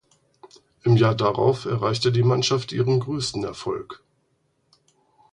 Im Jahr darauf erreichte die Mannschaft ihren größten Erfolg.